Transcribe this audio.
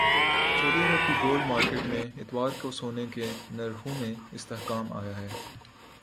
سعودی عرب کی gold market میں اتوار کو سونے کے نرخوں میں استحکام آیا ہے